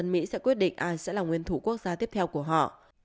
mỹ sẽ quyết định ai sẽ là nguyên thủ quốc gia tiếp theo của họ